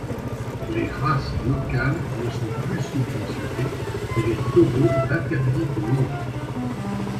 Les races locales ne sont plus subventionnées et les taureaux interdits de monte.